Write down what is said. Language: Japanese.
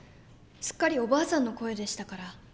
すっかりおばあさんの声でしたから。